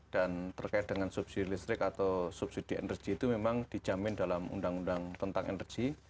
dan terkait dengan subsidi listrik atau subsidi energi itu memang dijamin dalam undang undang tentang energi